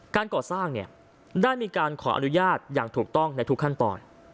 การก่อสร้างเนี่ยได้มีการขออนุญาตอย่างถูกต้องในทุกขั้นตอน